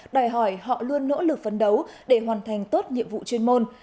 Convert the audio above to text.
đòi hỏi họ luôn nỗ lực phấn đấu để hoàn thành tốt nhiệm vụ chuyên môn